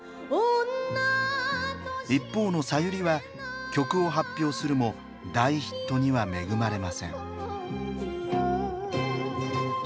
一方のさゆりは曲を発表するも大ヒットには恵まれません。